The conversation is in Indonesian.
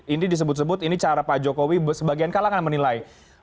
ini disebut sebut ini cara pak jokowi sebagian kalangan menilai